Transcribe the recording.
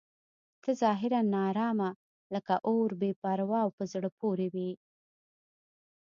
ته ظاهراً ناارامه لکه اور بې پروا او په زړه پورې وې.